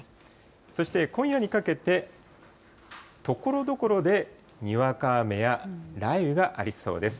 そして、今夜にかけて、ところどころでにわか雨や雷雨がありそうです。